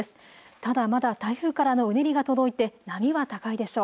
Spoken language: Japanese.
ただ、まだ台風からのうねりが届いて波は高いでしょう。